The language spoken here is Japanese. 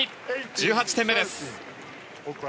１８点目です！